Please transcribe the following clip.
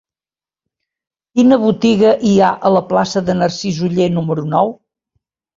Quina botiga hi ha a la plaça de Narcís Oller número nou?